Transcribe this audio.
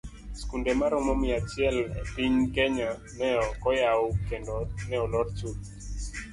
Skunde maromo mia achiel e piny kenya ne okoyaw kendo ne olor chuth.